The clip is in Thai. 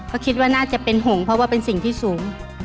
ก็คิดว่าน่าจะเป็นห่วงเพราะว่าเป็นสิ่งที่สูง